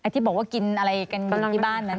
ที่บอกว่ากินอะไรกันที่บ้านนั้น